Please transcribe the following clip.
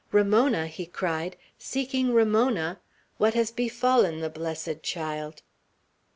"Ramona!" he cried. "Seeking Ramona! What has befallen the blessed child?"